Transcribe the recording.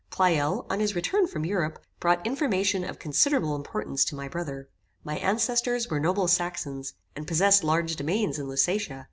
Pleyel, on his return from Europe, brought information of considerable importance to my brother. My ancestors were noble Saxons, and possessed large domains in Lusatia.